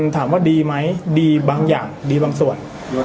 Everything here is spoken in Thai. ถามว่าดีไหมดีบางส่วน